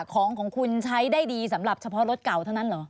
ของคุณใช้ได้ดีสำหรับเฉพาะรถเก่าเท่านั้นเหรอ